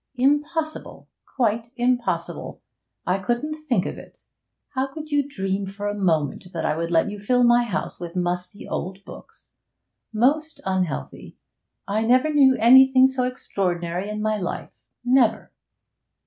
'Impossible! Quite impossible! I couldn't think of it! How could you dream for a moment that I would let you fill my house with musty old books? Most unhealthy! I never knew anything so extraordinary in my life, never!'